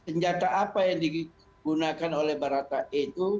senjata apa yang digunakan oleh barata itu